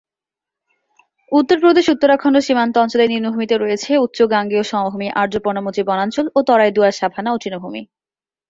উত্তরপ্রদেশ-উত্তরাখণ্ড সীমান্ত অঞ্চলের নিম্নভূমিতে রয়েছে উচ্চ গাঙ্গেয় সমভূমি আর্দ্র পর্ণমোচী বনাঞ্চল ও তরাই-দুয়ার সাভানা ও তৃণভূমি।